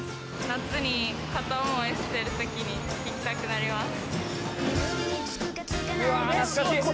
夏に片思いしてる時に聴きたくなります。